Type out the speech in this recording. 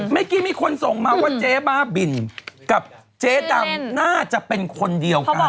มีคนส่งมาว่าเจ๊บ้าบินกับเจ๊ดำน่าจะเป็นคนเดียวกัน